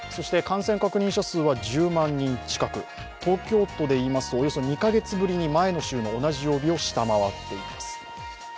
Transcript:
感染確認者数は１０万人近く、東京都でいいますと、およそ２カ月ぶりに前の同じ曜日を下回っています。